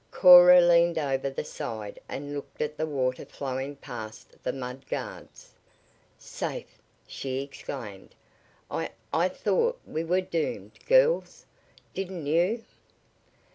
Cora leaned over the side and looked at the water flowing past the mud guards. "Safe!" she exclaimed. "I I thought we were doomed, girls. Didn't you?"